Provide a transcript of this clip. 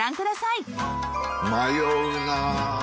迷うな。